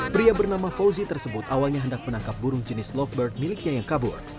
pria bernama fauzi tersebut awalnya hendak menangkap burung jenis lovebird miliknya yang kabur